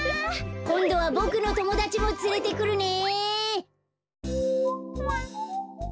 こんどはボクのともだちもつれてくるね。